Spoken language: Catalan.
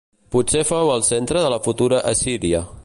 Potser fou el centre de la futura Assíria.